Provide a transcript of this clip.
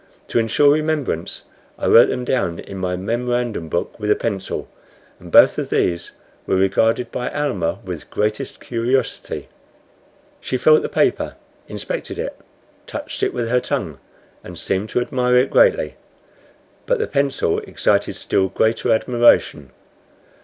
To insure remembrance, I wrote them down in my memorandum book with a pencil and both of these were regarded by Almah with greatest curiosity. She felt the paper, inspected it, touched it with her tongue, and seemed to admire it greatly; but the pencil excited still greater admiration.